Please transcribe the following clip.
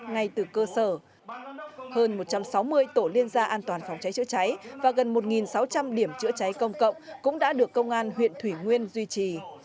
ngay từ cơ sở hơn một trăm sáu mươi tổ liên gia an toàn phòng cháy chữa cháy và gần một sáu trăm linh điểm chữa cháy công cộng cũng đã được công an huyện thủy nguyên duy trì